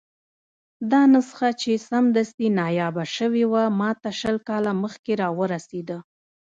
دا نسخه چې سمدستي نایابه شوې وه، ماته شل کاله مخکې راورسېده.